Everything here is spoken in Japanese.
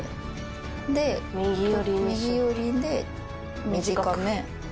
で右寄りで短め。